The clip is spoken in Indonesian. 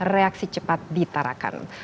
reaksi cepat di tarakan